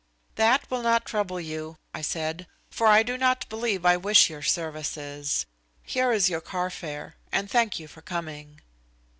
"That will not trouble you," I said, "for I do not believe I wish your services. Here is your car fare, and thank you for coming."